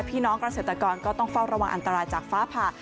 พี่น้องเกษตรกรก็ต้องเฝ้าระวังอันตรายจากฟ้าผ่า